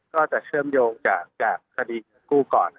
ก็จะเชื่อมโยงจากคดีเงินกู้ก่อนนะครับ